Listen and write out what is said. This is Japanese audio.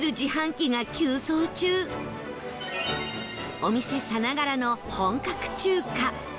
お店さながらの本格中華